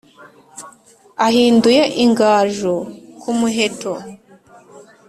ahinduye ingaju ku muheto